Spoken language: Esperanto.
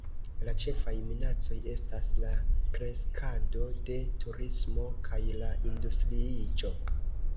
La ĉefaj minacoj estas la kreskado de turismo kaj la industriiĝo.